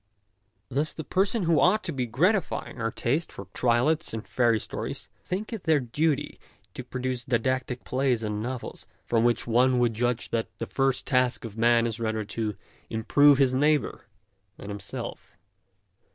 Thus the persons who ought to be gratifying our taste for triolets and fairy stories think it their duty to produce didactic plays and novels, from which one would judge that the first task of man is rather to improve his neighbour than himself.